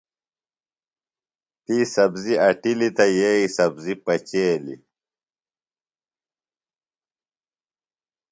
تی سبزیۡ اٹِلی تہ یییۡ سبزیۡ پچیلیۡ۔